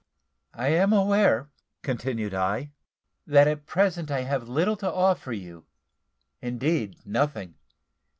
"I am aware," continued I, "that at present I have little to offer you indeed, nothing.